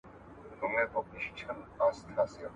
• خوريی په بدي کي ايله دئ.